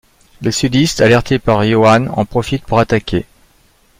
Les Sudistes, alertés par Johan, en profitent pour attaquer.